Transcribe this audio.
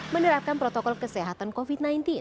menerapkan protokol kesehatan covid sembilan belas